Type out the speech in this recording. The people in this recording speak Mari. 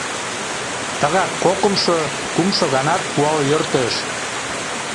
Тыгак кокымшо, кумшо ганат пуал йӧртыш.